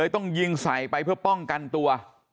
ถอยไปเพื่อป้องกันตัว